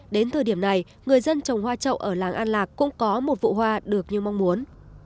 đến thời điểm này người dân trồng hoa trậu ở làng an lạc cũng có một vụ hoa được như mong muốn